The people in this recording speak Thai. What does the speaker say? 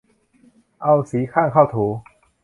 เอาสีข้างเข้าถู